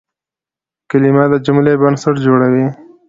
کلیمه د جملې بنسټ جوړوي.